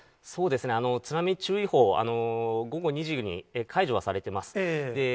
そうですね、津波注意報、午後２時に解除はされています。